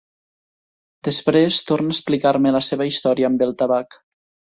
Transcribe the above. Després, torna a explicar-me la seva història amb el tabac.